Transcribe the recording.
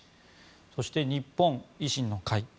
そして、日本維新の会。